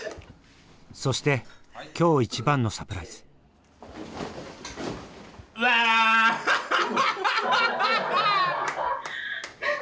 そして今日一番のサプライズ！わアハハハハ！